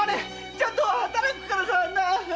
ちゃんと働くからさあ！